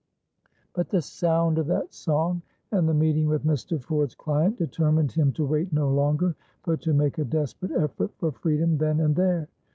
But the sound of that song and the meeting with Mr. Ford's client determined him to wait no longer, but to make a desperate effort for freedom then and there.